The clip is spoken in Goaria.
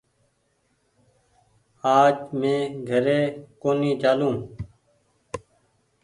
آج مينٚ گھري ڪونيٚ چآلون